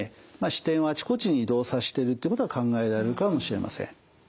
視点をあちこちに移動さしてるってことは考えられるかもしれません。